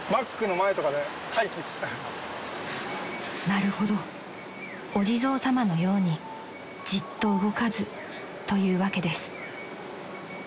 ［なるほどお地蔵様のようにじっと動かずというわけです］